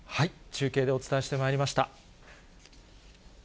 中継でお伝えしてまいりました。